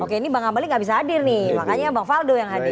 oke ini bang abalin nggak bisa hadir nih makanya bang faldo yang hadir